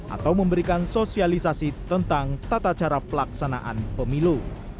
atau memberikan sosialisasi tentang tata cara pelaksanaan pemilu